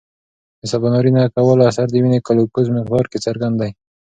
د سباناري نه کولو اثر د وینې ګلوکوز مقدار کې څرګند دی.